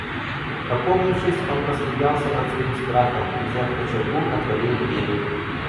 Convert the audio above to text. Опомнившись, он посмеялся над своим страхом и, взяв кочергу, отворил дверь.